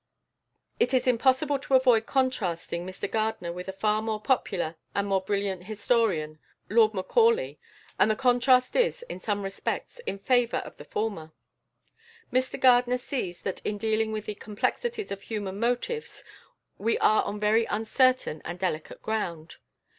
It is impossible to avoid contrasting Mr Gardiner with a far more popular and more brilliant historian, Lord Macaulay, and the contrast is, in some respects, in favour of the former. Mr Gardiner sees that in dealing with the complexities of human motives we are on very uncertain and delicate ground.